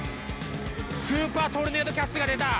スーパートルネードキャッチが出た！